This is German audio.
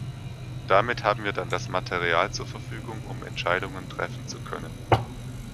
Damit haben wir dann das Material zur Verfügung, um Entscheidungen treffen zu können.